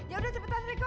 ya udah cepetan riko